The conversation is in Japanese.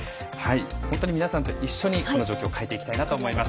本当に皆さんと一緒にこの状況を変えていきたいなと思います。